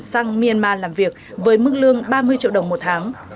sang myanmar làm việc với mức lương ba mươi triệu đồng một tháng